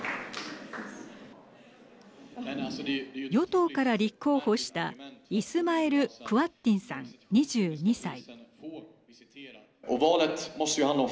与党から立候補したイスマイル・クァッティンさん２２歳。